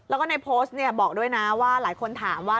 แล้วก็ในโพสต์เนี่ยบอกด้วยนะว่าหลายคนถามว่า